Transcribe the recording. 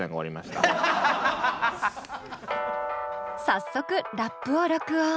早速ラップを録音。